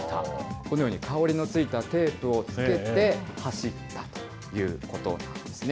このように香りのついたテープをつけて走ったということなんですね。